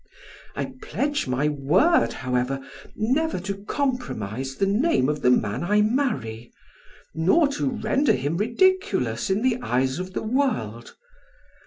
I pledge my word, however, never to compromise the name of the man I marry, nor to render him ridiculous in the eyes of the world.